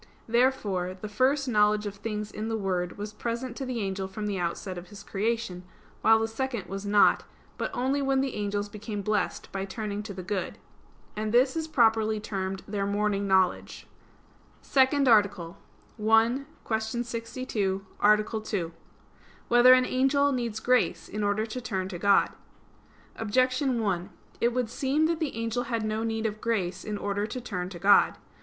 Therefore the first knowledge of things in the Word was present to the angel from the outset of his creation; while the second was not, but only when the angels became blessed by turning to the good. And this is properly termed their morning knowledge. _______________________ SECOND ARTICLE [I, Q. 62, Art. 2] Whether an Angel Needs Grace in Order to Turn to God? Objection 1: It would seem that the angel had no need of grace in order to turn to God.